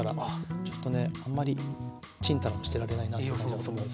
ちょっとねあんまりちんたらもしてられないなという感じがするんですが。